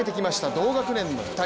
同学年の２人。